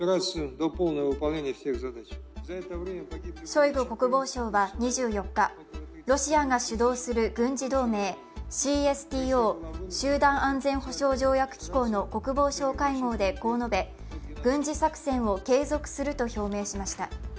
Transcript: ショイグ国防相は２４日、ロシアが主導する軍事同盟ＣＳＴＯ＝集団安全保障条約機構の国防相会合でこう述べ、軍事作戦を継続すると表明しました。